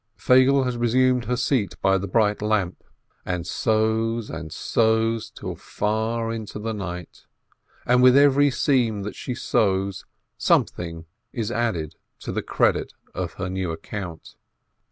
Feigele has resumed her seat by the bright lamp, and sews and sews till far into the night, and with every seam that she sews, something is added to the credit of her new account.